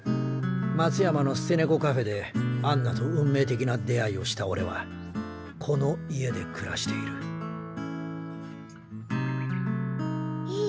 松山の捨て猫カフェでアンナと運命的な出会いをしたオレはこの家で暮らしているいい？